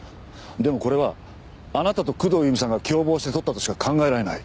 でもこれはあなたと工藤由美さんが共謀して撮ったとしか考えられない。